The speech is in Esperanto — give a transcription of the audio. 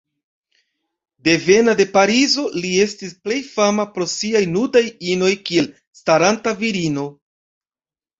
Devena de Parizo, li estis plej fama pro siaj nudaj inoj kiel "Staranta Virino".